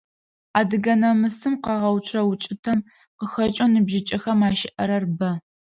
Адыгэ намысым къыгъэуцурэ укӀытэм къыхэкӀэу ныбжьыкӀэхэм ащыӀэрэр бэ.